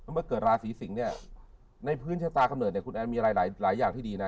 เมื่อเกิดราศีสิงศ์เนี่ยในพื้นชะตากำเนิดเนี่ยคุณแอนมีอะไรหลายอย่างที่ดีนะ